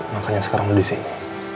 makanya sekarang disini